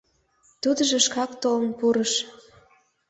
Тудыжо шкак толын пурыш.